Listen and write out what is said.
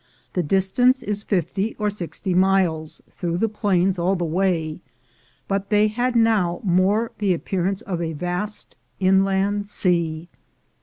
The distance is fifty or sixty miles through the plains all the way, but they had now more the appearance of a vast inland sea.